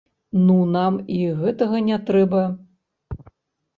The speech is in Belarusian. Ну нам і гэтага не трэба.